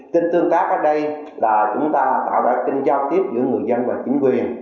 kênh tương tác ở đây là chúng ta tạo ra kênh giao tiếp giữa người dân và chính quyền